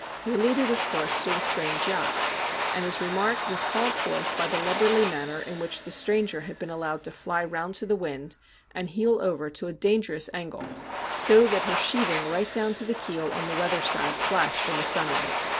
He alluded, of course, to the strange yacht, and his remark was called forth by the lubberly manner in which the stranger had been allowed to fly round to the wind, and heel over to a dangerous angle, so that her sheathing right down to the keel on the weather side flashed in the sunlight.